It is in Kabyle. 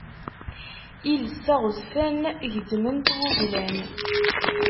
Iles aɣezfan gezzmen-t wuglan.